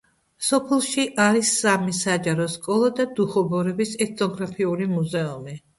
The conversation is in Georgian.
სოფელში არის სამი საჯარო სკოლა და დუხობორების ეთნოგრაფიული მუზეუმი.